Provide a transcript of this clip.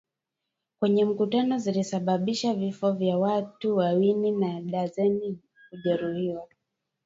kwenye mkutano zilisababisha vifo vya watu wawili na darzeni kujeruhiwa